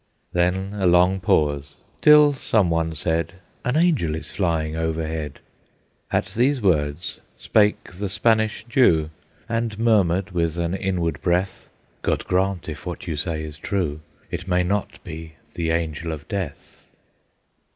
Then a long pause; till some one said, "An Angel is flying overhead!" At these words spake the Spanish Jew, And murmured with an inward breath: "God grant, if what you say is true It may not be the Angel of Death!"